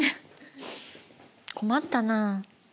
困ったなぁ。